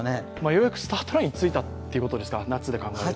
ようやくスタートラインについたということですか夏で考えると。